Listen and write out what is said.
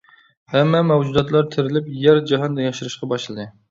ھەممە مەۋجۇداتلار تىرىلىپ، يەر-جاھان ياشىرىشقا باشلىدى.